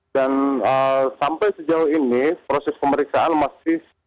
dan sampai sejauh ini proses pemeriksaan masih sedang